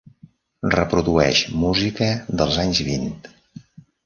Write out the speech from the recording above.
Reprodueix música dels anys vint